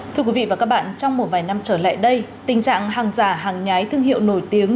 thưa quý vị và các bạn trong một vài năm trở lại đây tình trạng hàng giả hàng nhái thương hiệu nổi tiếng